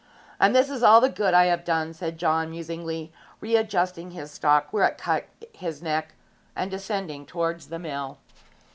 'And this is all the good I have done!' said John, musingly readjusting his stock where it cut his neck, and descending towards the mill.